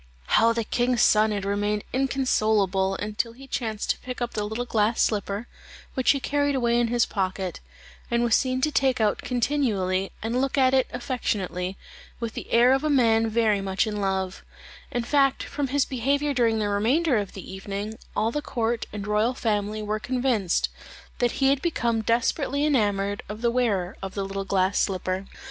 How the king's son had remained inconsolable until he chanced to pick up the little glass slipper, which he carried away in his pocket, and was seen to take it out continually, and look at it affectionately, with the air of a man very much in love; in fact, from his behaviour during the remainder of the evening, all the court and royal family were convinced that he had become desperately enamoured of the wearer of the little glass slipper.